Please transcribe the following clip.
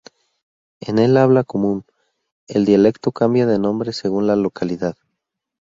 En el habla común, el dialecto cambia de nombre según la localidad.